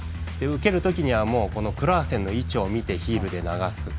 受けるときにはクラーセンの位置を見てヒールで流す。